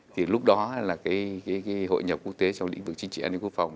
thì lúc đó hội nhập quốc tế trong lĩnh vực chính trị an ninh quốc phòng